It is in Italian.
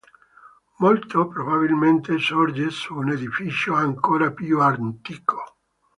Molto probabilmente sorge su un edificio ancora più antico.